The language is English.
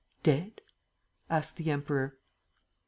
"Dead?" asked the Emperor.